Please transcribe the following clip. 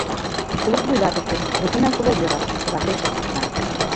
— Клуб вуйлатыше, Руфина Соловьева, — вашештышт тудлан.